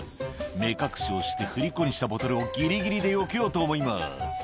「目隠しをして振り子にしたボトルをギリギリでよけようと思います」